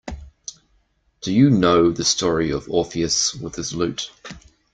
Do you know the story of Orpheus with his lute?